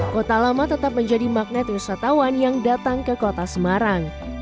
kota lama tetap menjadi magnet wisatawan yang datang ke kota semarang